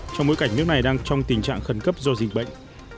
trong bối cảnh nước này đang trong tình trạng khẩn cấp do dịch bệnh